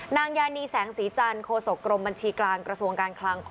นางยานีแสงสีจันทร์โคศกรมบัญชีกลางกระทรวงการคลัง